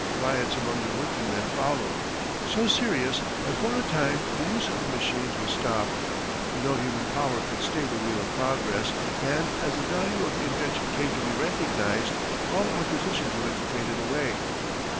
Riots among the workingmen followed, so serious that for a time the use of the machines was stopped; but no human power could stay the wheel of progress, and as the value of the invention came to be recognized, all opposition to it faded away.